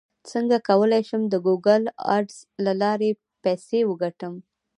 څنګه کولی شم د ګوګل اډز له لارې پیسې وګټم